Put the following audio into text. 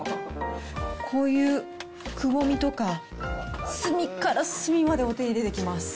こういうくぼみとか、隅から隅までお手入れできます。